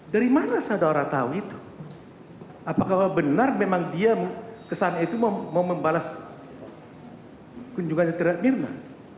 dari mana saudara tahu itu apakah benar memang dia kesana itu mau membalas kunjungannya terhadap mirna